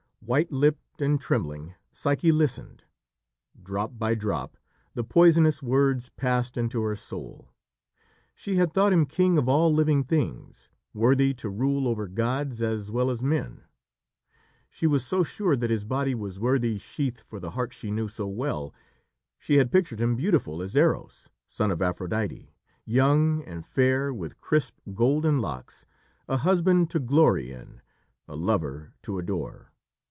White lipped and trembling, Psyche listened. Drop by drop the poisonous words passed into her soul. She had thought him king of all living things worthy to rule over gods as well as men. She was so sure that his body was worthy sheath for the heart she knew so well.... She had pictured him beautiful as Eros, son of Aphrodite young and fair, with crisp, golden locks a husband to glory in a lover to adore.